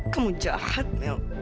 kamu jahat mil